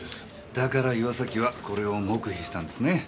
だから岩崎はこれを黙秘したんですね。